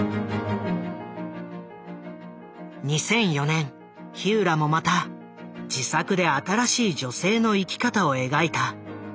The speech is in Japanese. ２００４年ひうらもまた自作で新しい女性の生き方を描いた。